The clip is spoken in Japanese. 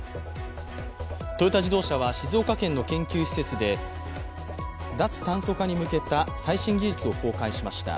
トヨタ自動車は静岡県の研究施設で脱炭素化に向けた最新技術を公開しました。